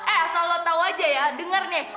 eh asal lo tau aja ya denger nih